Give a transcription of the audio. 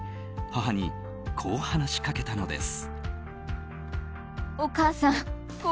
母に、こう話しかけたのです。